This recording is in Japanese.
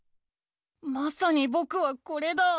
まさにぼくはこれだ。